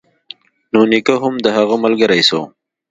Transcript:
نو نيکه هم د هغه ملگرى سو.